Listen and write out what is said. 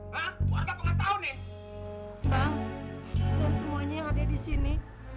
bang dan semuanya yang ada disini